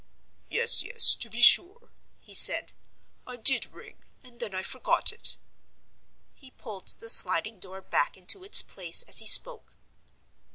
"Yes, yes; to be sure," he said. "I did ring, and then I forgot it." He pulled the sliding door back into its place as he spoke.